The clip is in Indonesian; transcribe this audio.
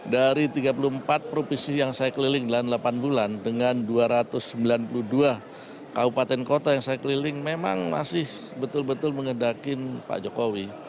dari tiga puluh empat provinsi yang saya keliling dalam delapan bulan dengan dua ratus sembilan puluh dua kabupaten kota yang saya keliling memang masih betul betul mengendakin pak jokowi